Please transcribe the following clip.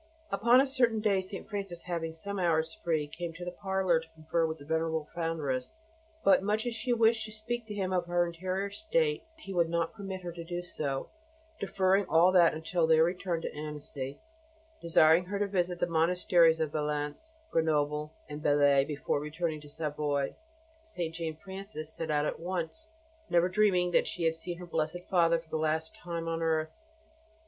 "Upon a certain day St. Francis, having some hours free, came to the parlour to confer with the Venerable Foundress; but much as she wished to speak to him of her interior state, he would not permit her to do so, deferring all that until their return to Annecy, desiring her to visit the Monasteries of Valence, Grenoble, and Belley before returning to Savoy. St. Jane Frances at once set out, never dreaming that she had seen her blessed Father for the last time on earth."